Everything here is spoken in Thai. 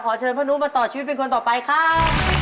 เชิญพ่อนุมาต่อชีวิตเป็นคนต่อไปครับ